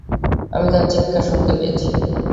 আমি তার চিৎকার শুনতে পেয়েছি।